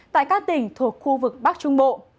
tại các tỉnh thuộc khu vực bắc trung bộ